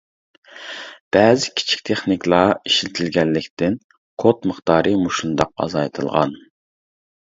بەزى كىچىك تېخنىكىلار ئىشلىتىلگەنلىكتىن كود مىقدارى مۇشۇنداق ئازايتىلغان.